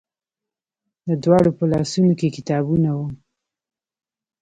د دواړو په لاسونو کې کتابونه وو.